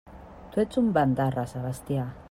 Tu ets un bandarra, Sebastià!